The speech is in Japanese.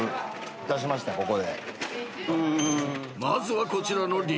［まずはこちらの利用者］